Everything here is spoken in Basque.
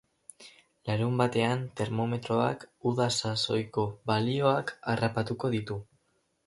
Larunbatean termometroak uda sasoiko balioak harrapatuko ditu.